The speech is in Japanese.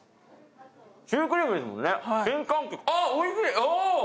シュークリームですもんね。